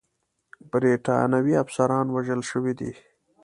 برټانوي افسران وژل شوي دي.